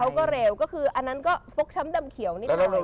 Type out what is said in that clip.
เค้าก็เร็วอันนั้นก็ฟกช้ำดำเขียวนิดหนึ่ง